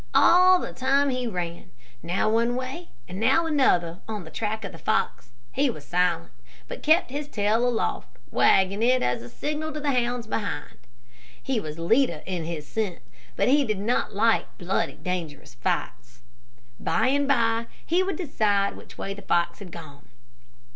All the time that he ran, now one way and now another on the track of the fox, he was silent, but kept his tail aloft, wagging it as a signal to the hounds behind. He was leader in scent, but he did not like bloody, dangerous fights. By and by, he would decide which way the fox had gone.